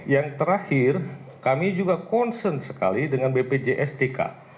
yang terakhir kami juga concern sekali dengan bpjs tk